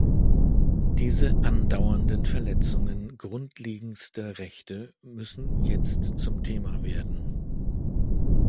Diese andauernden Verletzungen grundlegendster Rechte müssen jetzt zum Thema werden.